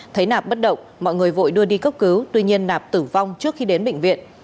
thấy nạp bất động mọi người vội đưa đi cấp cứu tuy nhiên nạp tử vong trước khi đến bệnh viện